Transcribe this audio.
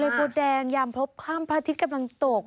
เนตรบดแดงยามพบข้ามพระอาทิตย์กำลังตก